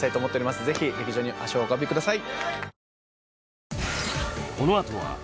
ぜひ劇場に足をお運びください